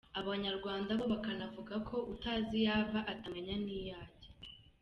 Abanyarwanda bo bakanavuga ko utazi iyo ava, atamenya n’iyo ajya.